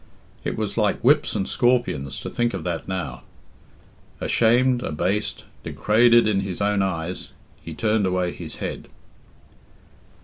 It was like whips and scorpions to think of that now. Ashamed, abased, degraded in his own eyes, he turned away his head.